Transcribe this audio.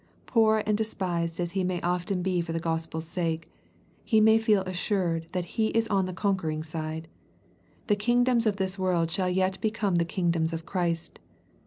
Poor and despised as he may often be for the Gospel's sake, he may feel assured that he is on the conquering side. The kingdoms of this world shall yet become the kingdoms of Christ.